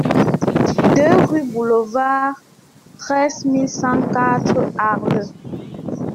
deux rue Boulouvard, treize mille cent quatre Arles